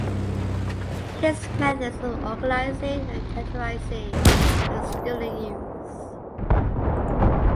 His methods of organizing and categorizing are still in use.